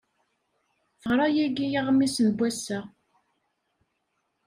Teɣra yagi aɣmis n wass-a.